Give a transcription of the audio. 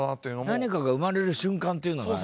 何かが生まれる瞬間っていうのがね。